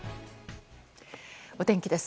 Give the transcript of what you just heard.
お天気です。